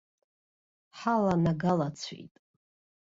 Ҳаланагалацәеит.